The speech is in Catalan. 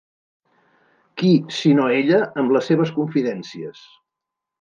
Qui, sinó ella, amb les seves confidències